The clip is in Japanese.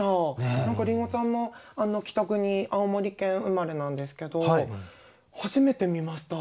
何かりんごちゃんも北国青森県生まれなんですけど初めて見ました。